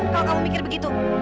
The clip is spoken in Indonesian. kalau kamu pikir begitu